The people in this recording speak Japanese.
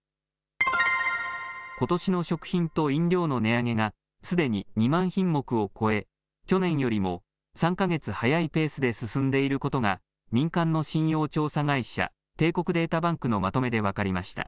ことしの食品と飲料の値上げが、すでに２万品目を超え、去年よりも３か月早いペースで進んでいることが、民間の信用調査会社、帝国データバンクのまとめで分かりました。